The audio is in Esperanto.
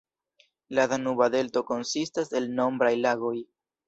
La Danuba Delto konsistas el nombraj lagoj.